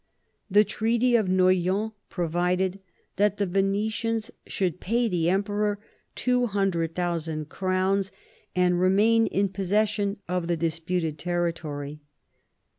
The Treaty of Noyon provided that the Venetians should pay the Emperor 200,000 crowns and remain in posses sion of the disputed territory.